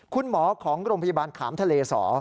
คุณหมอของโรงพยาบาลขามทะเลสอ